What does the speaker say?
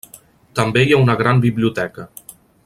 També hi ha una gran biblioteca.